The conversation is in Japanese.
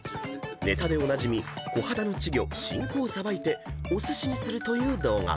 ［ネタでおなじみコハダの稚魚しんこをさばいておすしにするという動画］